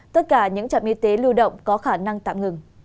tất cả những trạm y tế lưu động có khả năng tạm ngừng